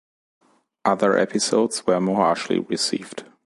Other episodes were more harshly received.